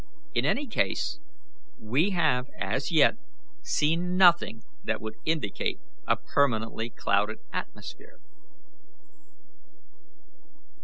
In any case, we have as yet seen nothing that would indicate a permanently clouded atmosphere."